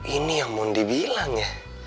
ini yang mau dibilang ya